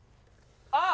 あっ！